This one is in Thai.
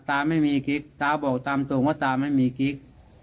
ตาไม่มีกิ๊กตาบอกตามตรงว่าตาไม่มีกิ๊ก